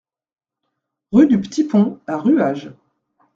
Rue du P'Tit Pont à Ruages